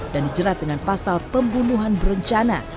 dan dijerat dengan pasal pembunuhan berencana